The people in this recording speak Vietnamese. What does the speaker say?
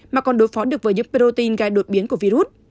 mà còn đối phó được với những protein gai đột biến của virus